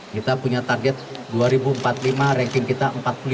kita punya target dua ribu empat puluh lima ranking kita empat puluh lima